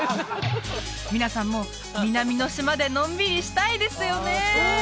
皆さんも南の島でのんびりしたいですよね！